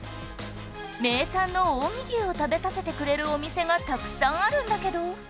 名産の近江牛を食べさせてくれるお店がたくさんあるんだけど